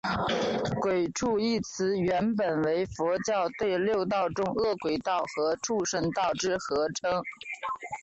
鬼畜一词原本为佛教对六道中饿鬼道与畜生道之合称。